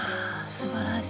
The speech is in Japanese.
すばらしい。